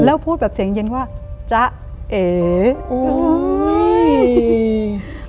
แล้วพูดแบบเสียงเย็นว่าจ๊ะเอ้ย